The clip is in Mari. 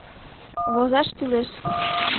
Возаш кӱлеш.